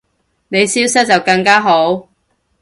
你消失就更加好